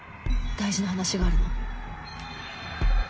大事な話があるの。